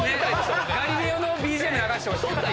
『ガリレオ』のＢＧＭ流してほしい。